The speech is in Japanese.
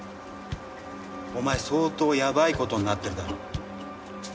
お前相当やばい事になってるだろ？